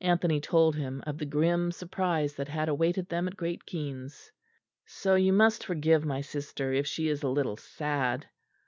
Anthony told him of the grim surprise that had awaited them at Great Keynes. "So you must forgive my sister if she is a little sad."